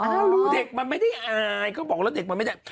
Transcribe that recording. แล้วรู้เด็กมันไม่ได้อายเขาบอกว่าเด็กมันไม่ได้